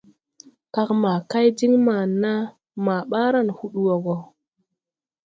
Kag ma kay din maa naa ma baaran hud wo go.